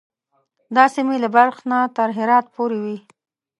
دا سیمې له بلخ نه تر هرات پورې وې.